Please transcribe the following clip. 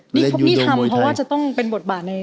นี่ทำเพราะว่าจะต้องเป็นบทบาทใน